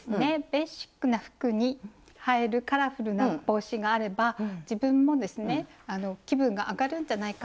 ベーシックな服に映えるカラフルな帽子があれば自分もですね気分が上がるんじゃないかなと思いまして。